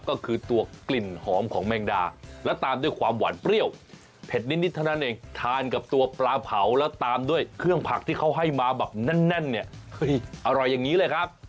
ก็คือตัวกลิ่นหอมของแมงดาแล้วตามด้วยความหวานเปรี้ยวเผ็ดนิดเท่านั้นเองทานกับตัวปลาเผาแล้วตามด้วยเครื่องผักที่เขาให้มาแบบแน่นเนี่ยเฮ้ยอร่อยอย่างนี้เลยครับ